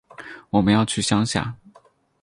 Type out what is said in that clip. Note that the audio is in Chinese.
我们要去乡下